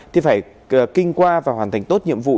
thì phải kinh qua và hoàn thành tốt nhiệm vụ